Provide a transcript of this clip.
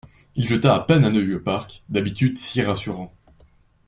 Il jeta à peine un œil au parc, d’habitude si rassurant.